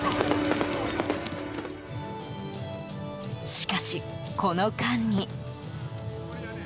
しかし、この間に。